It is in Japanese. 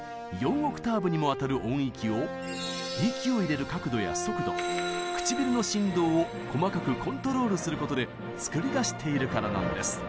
オクターブにもわたる音域を息を入れる角度や速度唇の振動を細かくコントロールすることで作り出しているからなんです。